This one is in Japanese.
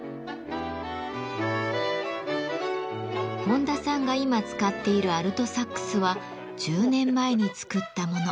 本多さんが今使っているアルトサックスは１０年前に作ったもの。